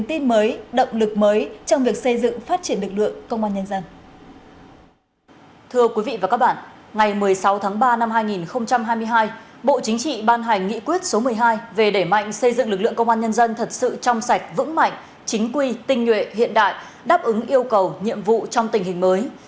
thưa quý vị và các bạn ngày một mươi sáu tháng ba năm hai nghìn hai mươi hai bộ chính trị ban hành nghị quyết số một mươi hai về đẩy mạnh xây dựng lực lượng công an nhân dân thật sự trong sạch vững mạnh chính quy tinh nhuệ hiện đại đáp ứng yêu cầu nhiệm vụ trong tình hình mới